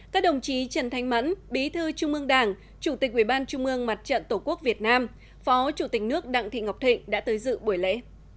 các đồng chí trần thanh mẫn bí thư trung mương đảng chủ tịch ubnd mặt trận tổ quốc việt nam phó chủ tịch nước đặng thị ngọc thịnh đã tới dự buổi lễ